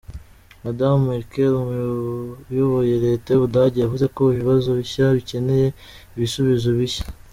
Madamu Merkel, uyoboye leta y'uBudage, yavuze ko ibibazo bishya bikeneye ibisubizo bishya.